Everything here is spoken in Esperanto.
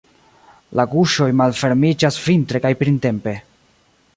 La guŝoj malfermiĝas vintre kaj printempe.